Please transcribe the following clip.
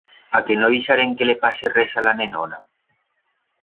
A que no deixarem que le pase res a la nenona?